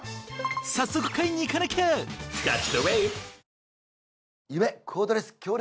早速買いに行かなきゃ！